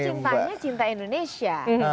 saya sebenarnya cintanya cinta indonesia